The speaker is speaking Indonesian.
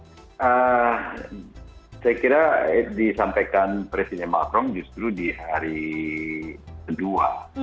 saya kira disampaikan presiden macron justru di hari kedua